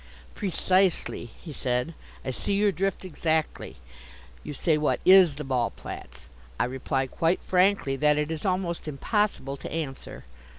"Precisely," he said, "I see your drift exactly. You say what is the Ballplatz? I reply quite frankly that it is almost impossible to answer.